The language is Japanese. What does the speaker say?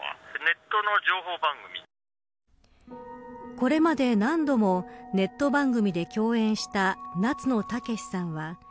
これまで何度もネット番組で共演した夏野剛さんは。